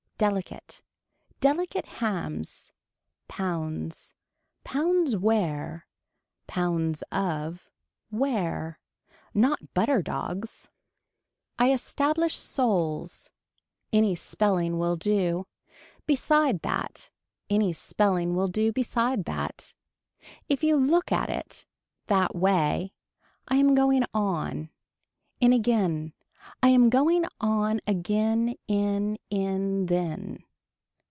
Delicate. Delicate hams. Pounds. Pounds where. Pounds of. Where. Not butter dogs. I establish souls. Any spelling will do. Beside that. Any spelling will do beside that. If you look at it. That way. I am going on. In again. I am going on again in in then.